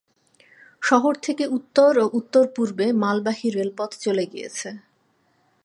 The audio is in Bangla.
শহর থেকে উত্তর ও উত্তর-পূর্বে মালবাহী রেলপথ চলে গিয়েছে।